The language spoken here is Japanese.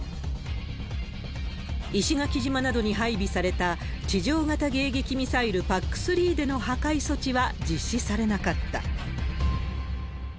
石垣島などに配備された地上型迎撃ミサイル、ＰＡＣ３での破壊措置は実施されなかった。